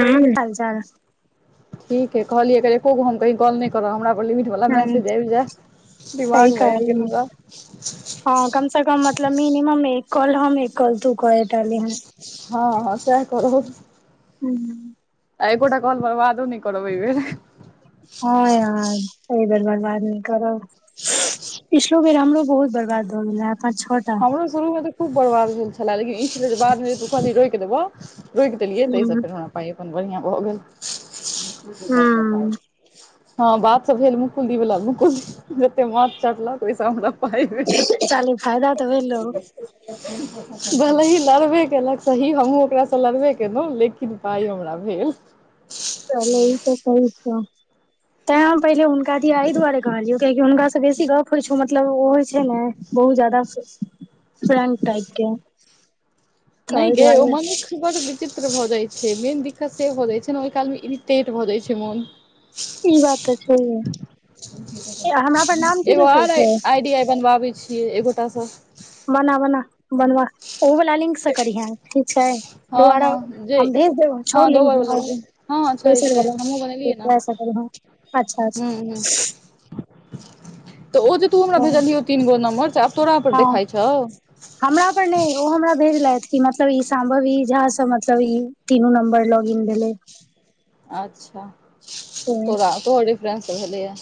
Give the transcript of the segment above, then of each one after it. ह की हाल चाल ठीक हय कहलियै एकर एकोगो हम कही कॉल नहि तोरा हमरा पर लिमिट वला ह मैसेज आबि जाय सही दिमागमे आबि गेल कहली हमरा हँ कम से कम मतलब मिनिमम एक कॉल हम एक कॉल तू कएटा लिहै हँ हँ साह करौ हू त एकोटा कॉल कर बर्बादो नहि करब ई बेर हँ यार ये बेर बर्बाद नहि करब पिछलो बेर हमरो बहुत बर्बाद भ गेल रहै पाँच छह टा हमरो शुरूमे तऽ खूब बड़बाद भेल छलै लेकिन ई छलै बादमे जे तु कहलहिन रोइक देबौ रोइक देलियै तै सब हूं फेर हमरा पाइ बढ़िआ भऽ गेल हूं हँ बात सब भेल मुकुलदीवला मुकुल जते माथ चटलक ओहिसँ हमरा पाइ भेऽऽ साले फायदा तऽ भेलौ [unintelligible] भलेहि लड़बे केलक सही हमहूँ ओकरासँ लड़बे केलहुँ लेकिन पाइ हमरा भेल चल ई त सही छौ तैं हम पहिले हुनका दिया अहि दुआरे कहलियौ कियेकि हुनकास से बेसी गप होइ छौ मतलब ओ होइ छै ने बहुत ज्यादा फ्रेंड टाइप के तऽ नै ओहि गै ओ दुआरे मनुख बड़ विचित्र भऽ जाइ छै मेन दिक्कत से भऽ जाइ छै ने ओहि काल मे इरिटेट भऽ जाइ छै मोन ई बात तऽ छैहे हमरा पर नाम की एगो देखबै आर छै आइडि आइ बनबाबै छियै एगोटासँ बना बना बनवा ओ वला लिंक स करीहे ठीक छै हँ दोआरा हँ जे हम भेज देब छओ हँ लिंग दोबर वला जे हँ छै नेसर छै वला हमहुँ ओ बनेलियै ने वइस ह [inaudible] हूँ हूँ तऽ ओ जे तू हमरा भेजलियौ तीन गो नंम्बर से आब तोरा पर हँ देखाइ छौ हमरा पर नहि ओ हमरा भेजलथि कि मतलब ई सम्भव ई झा सब मतलब ई तीनू नंम्बर लगीन भैलै देै अच्छा से तोरा तोहरडिफरेंस भेलले है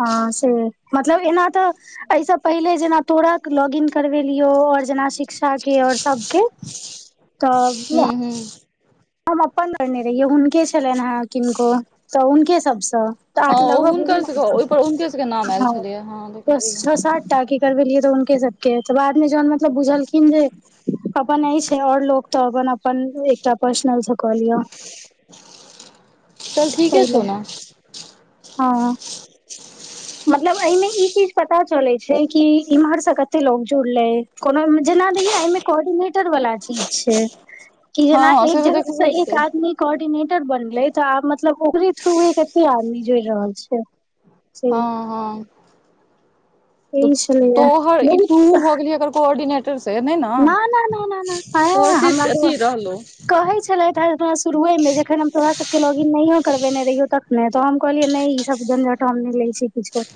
हँ से मतलब एना तऽ एहिसँ पहिले जेना तोड़क लॉगीन करबेलियौ आऔर जेना शिक्षा के और सबके तऽ हू हू हम अपन करने रहियै हुनके छलनि हे किनको तऽ हुनके सबसँ तऽ हँ आठ ओ लगभ हुनकर भली सबके ओहिपर हुनके सबके नाम न आयल हँ छलैये देखने रहियै छ साठ ताकी करबेलियै तऽ हुनके सबके तऽ बादमे जन मतलब बुझलखिन जे अपन ई छै आओर लोक तऽ अपन अपन एकटा पर्सनल कऽ लिअ चल ठीके ताहि छौ लए ने हँ मतलब एइ मे इचीज पता चले छै कि इम्हर से कते लोग जुड़ले कोनो जेना दै ने एहिमे कोर्डिनेटर वालला चीज छै कि हँ जेना हँ से एक तऽ जगह देखबै एक छै आदमी कोर्डिनेटर बनलै तऽ आब मतलब ओकरे थरू कते आदमी जुड़ि रहल छै से हाँ हाँ यही छलैया तोहर ई तूहूं बहुत भऽ गेलहीं एकर कोर्डिनेटर से नहि न ना ना ना ना सेहो ची अथी रहलै कहैत छलथि हेँ शुरुएमे जखन हम तोरास सभकेँ लॉगइन नहियो करबेने रहियौ तऽ नहि तऽ हम कहलियै नहि ई सब झंझट हम नहि लै छियै किछो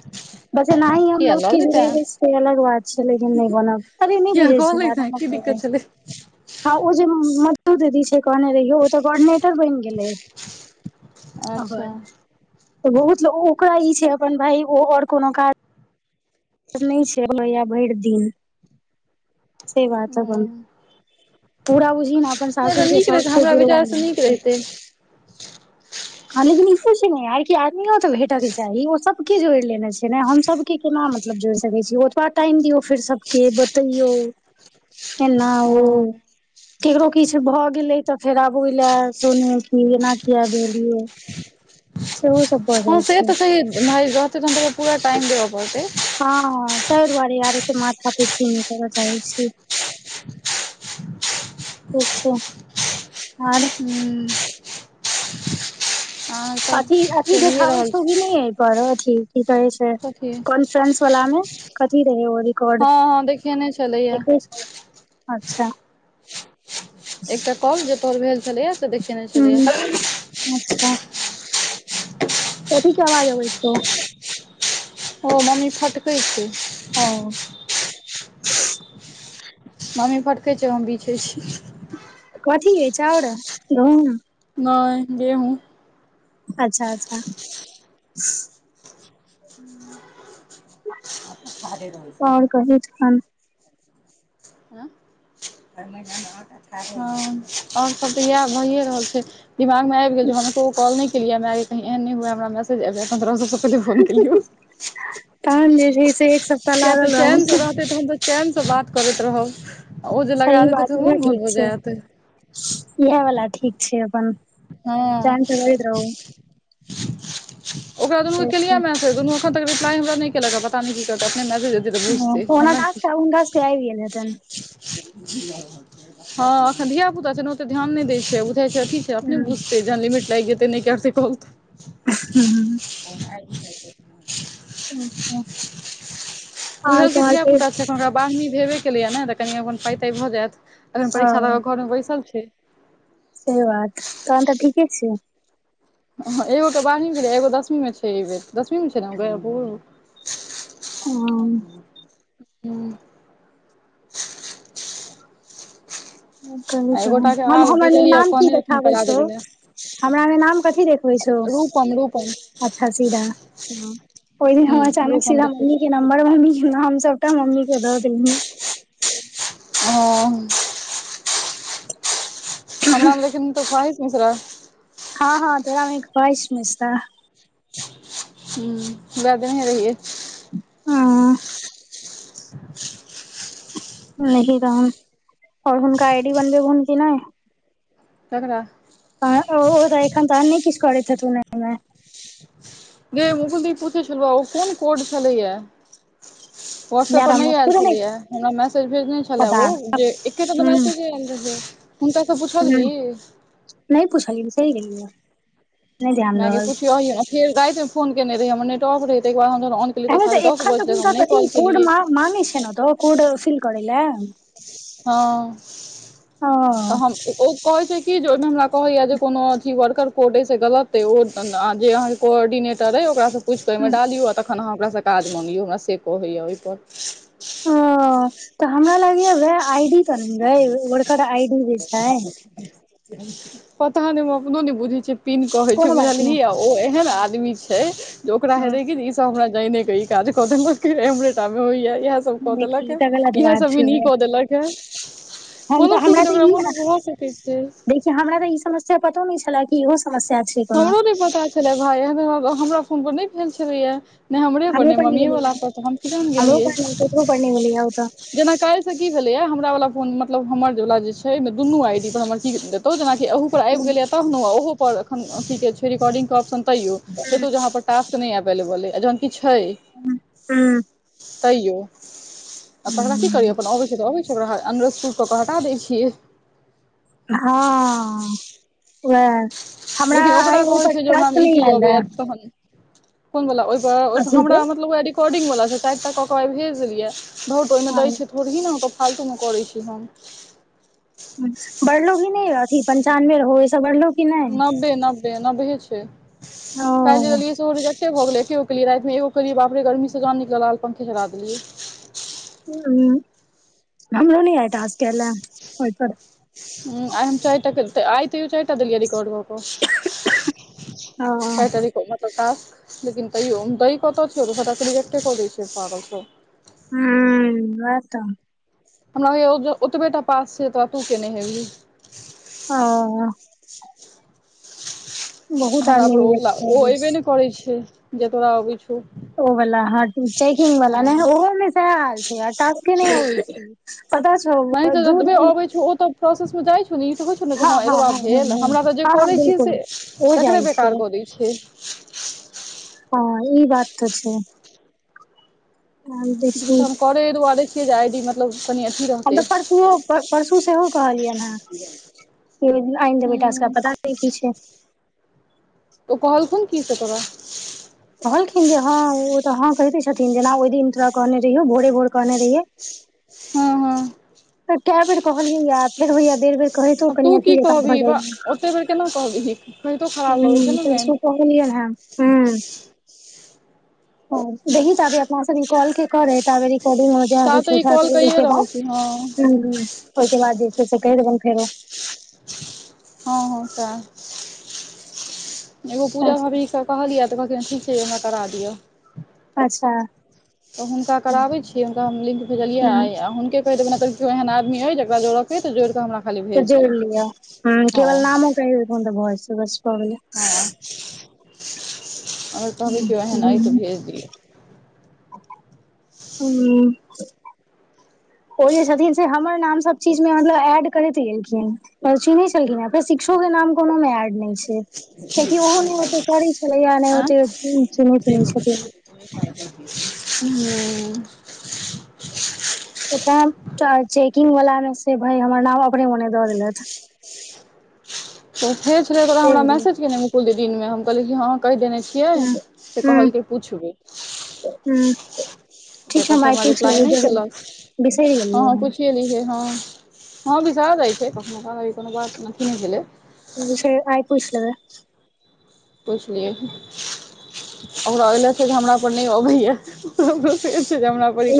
बसे एनाही हम किया लोक लऽ के लेतै जुड़ेबै से अलग बात छै लेकिन नहि बना अरे नै किया बुझै कऽ बार लैतै मे की जे दिक्कत अछि छलै हँ ओ जे मधु दीदी छै कहने रहियो ओ तऽ कोर्डिनेटर बनि गेलै अच्छा आ बहुत ओकरा ई छै अपन भाय ओ आओर कोनो काज काज नहि छैै अपन ओहए भरि दिन सही बात अपन नहि पूरा बुझी ने अपन सासुर तऽ के नीक रहतै शर्त हमरा विचारसँ नीक [unintelligible] रहितै ह लेकिन ई सोच ने आ आदमियो तऽ भेटय के चाही ओ सबके के जोड़ि लेने छै ने हम सब के केना मतलब जोड़ि सकै छी ओतबा टाइम दियौ फेर सबके बतैयौ केना ओ हँ केकरो किछ भ गेले तऽ फेर आब ओइले सुनू की एना किया भेल सेहो सब भ जाइ से छै तऽ भाय जते दिन देबै पूरा टाइम देबऽ पड़तै हँ तहि दुआरे यार एते माथा पेची नहि कर चाहै छी ठीक छै आर हूँ अहाँ सब अथी अथी चलिए देखाबै रहल छौ की छी नहि एहि पर अथी की कहै छै कथी कॉन्फ्रेंस वाला मे कथी रहे ओ रिकॉर्ड कने छलैया देखै छै अच्छा एकटा काॅल जे तोर भेल छलैया से देखेने छलैय हूँ अच्छा कथी के आवाज अबै छै ओ मम्म हं मम्मी फटकै छै हम बिछै छी कथी है चाउड़ गहुम नहि गेंहू [inaudible] हूँ महादेव आओर कहु तखन हँ आओर सभ तऽ इएह भइए रहल छै दिमागमे आबि गेल जे हमरा एक्कोगो कॉल नहि केलियै माएगे त एहन नहि हुए हमरा मैसेज आबि जय तय हम सबसे पहले तोड़ा फोन केलियै तहन जे छै से सप्ताह किया तऽ लागल रहू चैनसे रहतै तऽ हम तऽ चैनसऽ बात करैत रहब ओ जे लगा देते तऽ मोन घोल हो जायत इहे वला ठीक छै अपन हँ चैनसँ रहैत रहू ओकरा दुनू केलियै से छै मैसेज दुनू एन तक रिप्लाई हम नहि केलक पता नहि की करत अपने मैसेज अतय तऽ बुझते ओना हमरा की टास्क हुनका सबके आबि गेल हेतनि हँ एखन धियापुता छै ने ओतऽ ध्यान नहि दै छै बुझाइ छै अथी अपने बुझते जहन लिमिट लागइए जतय नहि करतय बहुत ह [unintelligible] [unintelligible] अच्छा आर बुझलके तोहर के धियापुता छै एखन ओकरा बारही भेबे केलैए ने तऽ कनि अपन पाई ताई भऽ जायत अखन परीक्षा ओ देकय घर मऽ बैसल छै से बात तहन तऽ ठीके छै एगो तऽ बारहवीं मऽ छलैय एगो दसमीमे छै एहि बेर दसमीमे छै नऽ न गे [unintelligible] हूं हू [inaudible] कहि एगोटा तहन के हम आर हमर भेजलियै नाम की कहने रहथिन देखाबै करा छौ देबै लए हमरा नाम कथी देखबै छौ रूपम रूपम अच्छा सीधा ह ओहि दिन हम हूँ अचानक रूपम सीधा देखै मम्मी के नम्बर मम्मी के हम सबटा मम्मी के द देली हँ हमरा मे तऽ लेकिन सहिष मिश्रा हँ हँ तोरामे कहइश [unintelligible] मिश्रा हू याद नहि रहेय हँ [unintelligible] हुनका आई डी बनबेहुन की नहि ककरा ओ तऽ एखन तऽ नहि किछु कर छथितनमे गे मुकुल दीदी पूछै छललब ओ कोन कोड छलैय व्हाट्सऐप यार पर नहि हमरा आयल खुद छलै ह हमरा मैसेज भेजने छले पता ओ जे एकेटा हूँ मैसेजे आयल रहय हुनका सँ पुछलन्हि हूँ नहि पुछलिय बिसेर गेलिए रहिए माय गेय पुछियो फेर राति मे फोन केने रहि हमर नेट ऑफ रहै तहिकर बाद हम तऽ अरे साढ़े दस एखन तऽ बजे तक हम हुनका नहि कथी कॉल कोड केलियै मांगे छैय न ओतय कोड सिल करय लय हँ तऽ ओ हम ओ कहै छै कि जे ओहिमे हमरा कहैया जे कोनो अथी वर्कर कोड सऽ गलत अे ओ जे अहाँ कोऑर्डिनेटर हइ ओकराँ पुछ कऽ ओहिमे डालियौ आ तखन अहाँ ओकरासँ काज मङगियौ हमरा से कहैए ओहिपर ओ तऽ हमरा लागैया वएह आई डी बनेबे ओड़कर आई डी जे छै पता नहि अपनो ने बुझे छै पिन् कहे छै कोनो बात नहि बुझलहि आ ओ एहन आदमी छै जे ओकरा ह हेते की हमरा जाय नहि के ई काज क देलक तेय हमरे टा मे होइय इ सब कऽ देखी देलक ई है तऽ गलत इह बात सब छै भी न कऽ देलक है हम कोनो ठिक नऽ ओकरा मोन म भ सकै छै देख हमरा तऽ ई समस्या पतो न छल इहो समस्या। छै कोनो हमरो नहि पता छलै, भाए हमरा फोन पर नहि भेल छलैया नहि हमरे पर नहि मम्मी वला पर तऽ हम किदन हमरो गेलियै पर नहि ककरो पर नहि गेलैया ओ तऽ जेना काल्हि से कि भेलैया हमरा वाला फोन मतलब हमर वला जे छै दुनू आईडी पर हमर ची देतहु जेनाकि अह पर आबि गेलै तह ने ओहो पर एखनथ रीकॉर्डीग के ऑप्शन तैयो हे जहाँ पर सा एवेलेबल हैं जहन छै तैयो आ तकरा कि करियै अपन अबैत छै तऽ अबैत छै ओकरा अरसूट कऽ कऽ हटा दैत छियै ह, उएह हमरा लेकिन आ ओकरा ओहि पचास सो न ले कोन वला ओहिपर अथी हमरा पर मतलब रिकॉर्डिग वला टाइप तऽ कऽ के भेज देलियै घौ तऽ ओहिमे दै छ छै थोड़ ही ने अहाँकेँ फालतूमे करैत छी हम बड़लोग ह नहि अथि पञ्चानवे रह ऐस बड़ लोको नब्बे, नब्बे, नब्बे छै काल्हि जे ओ दियै सरज। भऽ गेल एकेो केलिय रामे एो किय बाप रे गर्मी जे नल आल पंखे चलाा दियै हमलो न आय जे कल ओहि पर हुँ आ हम चारिटा आइ तेयो चारटा देलियै रिकॉर्ड कए ओ तारीख, चारिटा प्रकाश लेकिन तैयो दह कतऽ छियो सबटा रिएक्टे कऽ दै छिय पागल सभ हू वहा तऽ हमरा ओतबेटा पास छै तऽ के ने हेबही ओ। बहुत हमरा आदमी पर ओला रिजेक्ट कऽ ओ दै अऐबे छै नहि करैत छैय जे तोरा अबै छै ओ वला ह चैकिंग वला न ओहोमे सेहा हाल छै, तस्के नै आब छै पता छै मने अबै ओ तऽ प्रोसेस मे जाइ छौ न ई तऽ ने जे हँ ह, हँ एतबा हँ हँ भेल हँ हमरा तऽ जे हँ हँ करै छिय बिलकुल से ओ तकरे जाइ छै बेकार कऽ दैय छैय ह, ई बात तऽ छैय नहि देखी हम करे दुआरे आडी मतलब कनी अथी रहते हम तऽ परसु ओ परसू सेहो कहलियनि हेँ आइन्दे बेटा सभके पता नहि कि छै ऊ कहलखन कि से तोरा कहलखिन जे हँ ओ तऽ हँं कहे छथिन जेना ओहि दिन तोरा कहने रहियौ भोरे भोर कहने रहिये। ह, ह। तऽ कए बेर कहलियनि या फेर होइया बेर बेर। कहैतो आब कनी तू की अथी जका भऽ कहबिही जा। बा ओते बेर केना कहबिही कहितो खराब लगै छै ने मेन खेलियान हू ह दही ताबै अपना सभ इनकुइरी करै तऽ रड मजा ता होइ तऽ ई कॉल त कैए देखब रहल छी हँ ह ओहिके बाद जे छैय से कहि देबन फेरो। हँ हँ से एगो पूजा भी कहलियऽ तऽ कहलकै छैमे करा दियअ अच्छा। तऽ हुनका कराबै छियै हुनका हम लिक भेजलियै हूँ आय हुनके। कहि देबै नहि तऽ केओ एहन आदमी अइ जकरा जोड़ऽके अइ तऽ जोड़ि कऽ हमरा खाली भेज दिआ हँ कहियै [unintelligible] हँ [unintelligible] एहन अइ तऽ भेज दिअ [unintelligible] ओ जे छथिन से हमर नाम सब चीज मे मतलब एड करैत गेलखिन [unintelligible] शिक्षो के नाम कोनो मे एड नहि छै कियाकि ओहो नहि ओते करै छलै नहि ओते चहैत चहै छल [unintelligible] हूं ते चेकिंग वालला मे से भई हमर नाम अपने मने दऽ देलैथि तऽ फे छलै ओकरा से हमरा भेलै मैसेज केने मुकुल दिनमे हम कहलिय कि हँ कहि देने छी यै हूँ तै कहलकै पूछबै हूं बिसरि गेलियै [unintelligible] [unintelligible] विषय आइ पुछिलबै पुछलियौ [unintelligible] [unintelligible] हमरा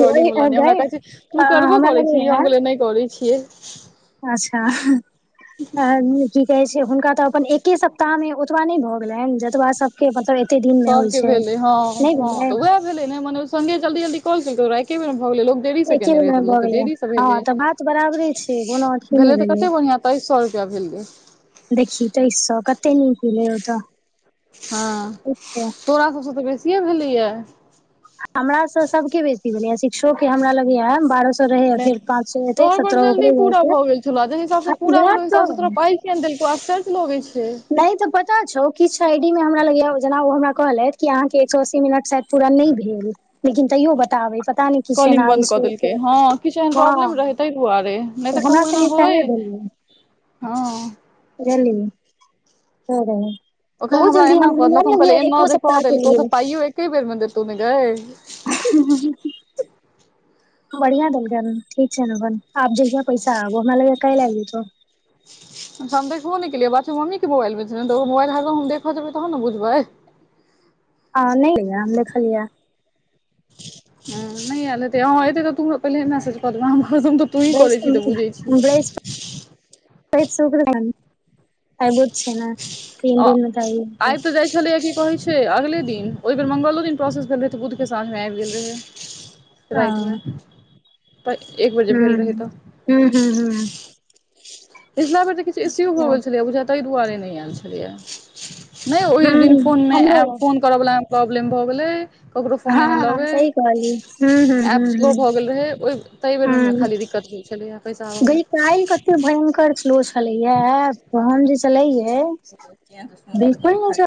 लेबै गै है छै तू करबो हमरा करे छी लगैया हमे नहि करे छियै अच्छा अ की कहै छै हुनका तऽ अपन एके सप्ताह मे ओतबा नहि भऽ गेलनि जतबै सब के मतलब एते दिन सभके मे [unintelligible] भेलै हँ हँ [unintelligible] मने संगे जल्दी जल्दी कौल एके बेर भऽ गेलै एके दिन मे भऽ [unintelligible] गेलै देरी से हँ भेलै तऽ बात बराबरे छै कोनो अथी नहि भेलै तऽ कते बढ़िया ऐै स सौ रुपया भेलै देखही तेईस सौ कते नीक भेलै ओतऽ हँ तोरा सभसँ तऽ बेसिए भेलैया हमरा स सबके बेसी भेलैया शिक्षो के हमरा लगैया बारह सौ नहि तोहर बड़ जल्दी पूरा भऽ गेल छलौ जाहि हिसाबसँ पूरा भेलौ ओहि हिसाबसँ तोरा [unintelligible] पाइ किया नै देलकौ आश्चर्य लगै छै नहि तऽ पता छौ किछु आईडी में हमरा लगैया जेना ओ हमरा कहलथि कि अहाँ के एक सौ अस्सी मिनट शायद पूरा नै भेल लेकिन तैयो बताबै पता नहि किछु एना कॉलिंग बन्द कऽ इशु छै देलकै हँ किछु एहन प्रॉब्लम तऽ रहै ताहि दुआरे नहि तऽ हमरा कहूँ एना संगे स‌एहे होय भेलै हँ [unintelligible] ओखन हमरा जल्दी एना क हमरा दक हम कहलै लगैये एना एको देख कऽ सप्ताह देल के कह लिए तऽ पाइयो एके बेर मे देतौ न गेय [unintelligible] [unintelligible] ठीक छै आब जहिया पैसा आबै हमरा लगै या काल्हि आबै जतौ हम देखबो नहि केलिय बात‌ छैय मम्मी मोबइल छैर ने तऽ ओ मोबाइल हर हम देखऽ जेबै तहन न बुझबै आ नहि यै देख लिए ह नहि आयल हेतै हं एतै तऽ तोरे पहिले मैसेज क देबौ हम कसम त तूहीं करै छी तऽ बुझै बृहस्पति छी बृहस्पति आ आबि [unintelligible] तऽ जाइ छलैया कि पहुच छै अगले दिन ओहि बेर मंगलो दिन प्रोसेस भेल रहै तऽ बुधके साँझमे आबि गेल रहै राइत मे त एक बेर जे भेल हूँ, रहै तऽ हूँ, हूँ, हूँ। पिछला बेर त किछु इश्यू भऽ गेल छलैया बुझाय ताहि दुआरे नहि आयल छलैया नहि ओहि दिन हूं फोन मे हमरो ऐप फोन करयवलामे प्रॉब्लम भऽ गेलै करो फोने नै हँ लगै सही कहलियै हूं हूं ऐप हूं स्लो भऽ गेल रहै ओहि। ताहि हूं बेरमे खाली दिक्कत होइ छलैया पैसा आब मे आइ कते भयंकर स्लो छलैया ऐप तऽ हम जे चलैयै फोन कऽ कहतै खाली